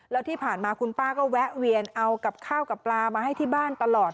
แล้วที่ผ่านมาคุณป้าก็แวะเวียนเอากับข้าวกับปลามาให้ที่บ้านตลอด